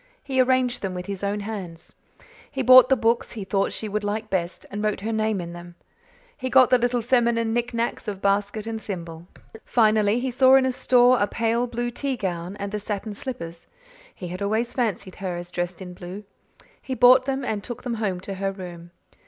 He arranged them with his own hands. He bought the books he thought she would like best and wrote her name in them; he got the little feminine knick knacks of basket and thimble. Finally he saw in a store a pale blue tea gown and the satin slippers. He had always fancied her as dressed in blue. He bought them and took them home to her room.